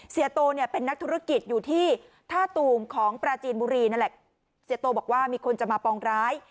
โตเนี่ยเป็นนักธุรกิจอยู่ที่ท่าตูมของปราจีนบุรีนั่นแหละเสียโตบอกว่ามีคนจะมาปองร้าย